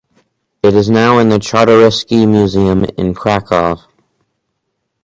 It is now in the Czartoryski Museum in Krakow.